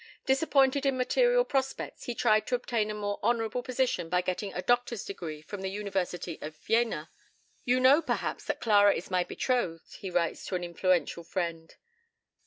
Disappointed in material prospects, he tried to obtain a more honourable position by getting a Doctor's degree from the University of Jena. "You know, perhaps, that Clara is my betrothed," he writes to an influential friend.